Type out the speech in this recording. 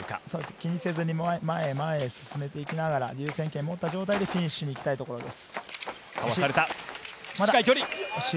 気にせず前へ前へ進めて優先権を持った状態でフィニッシュに行きたいです。